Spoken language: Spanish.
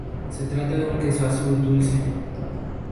Se trata de un queso azul dulce.